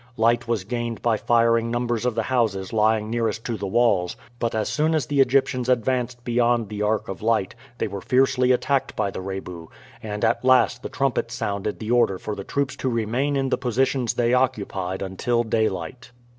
Light was gained by firing numbers of the houses lying nearest to the walls; but as soon as the Egyptians advanced beyond the arc of light they were fiercely attacked by the Rebu, and at last the trumpet sounded the order for the troops to remain in the positions they occupied until daylight.